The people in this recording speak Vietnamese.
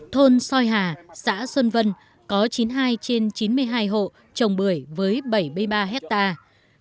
thôn soi hà xã xuân vân có chín mươi hai trên chín mươi hai hộ trồng bưởi với bảy mươi ba hectare